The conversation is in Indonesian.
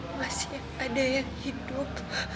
masih ada yang hidup